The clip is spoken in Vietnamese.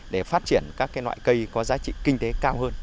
để phát triển các loại cây có giá trị kinh tế cao hơn